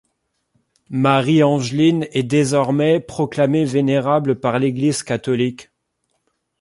Marie Angeline est désormais proclamée vénérable par l’Église catholique.